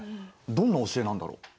どんな教えなんだろう？